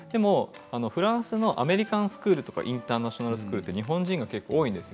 フランスのアメリカンスクールとかインターナショナルスクールは日本人が多いんです。